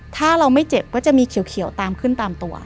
ถ้าเราไม่เจ็บก็จะมีเขียวตามขึ้นตามตัว